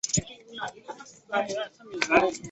拔贡生出身。